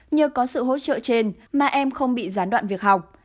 nhờ có sự hỗ trợ trên mà em không bị gián đoạn việc học